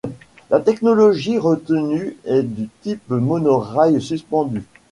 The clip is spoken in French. La technologie retenue est du type monorail suspendu.